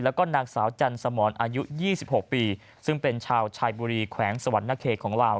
และนางสาวจันทร์สมอนอายุ๒๖ปีซึ่งเป็นชาวชายบุรีแขวงสวรรค์นักเขตของลาว